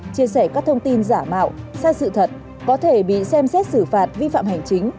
chia sẻ các thông tin giả mạo sai sự thật có thể bị xem xét xử phạt vi phạm hành chính